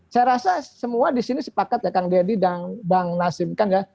saya rasa semua disini sepakat ya kang deddy dan bang nasib kan ya